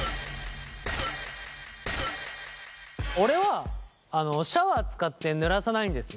俺はあのシャワー使ってぬらさないんですよ。